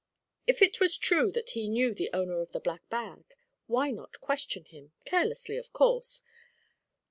If it was true that he knew the owner of the black bag, why not question him carelessly, of course?